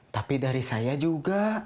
tapi dari saya juga